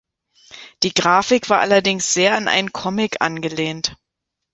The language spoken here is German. Die Grafik war allerdings sehr an einen Comic angelehnt.